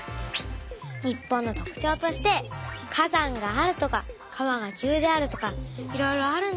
日本の特ちょうとして「火山がある」とか「川が急である」とかいろいろあるんだよ。